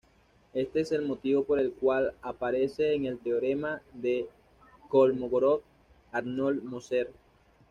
Este es el motivo por el cual aparece en el teorema de Kolmogórov-Arnold-Moser.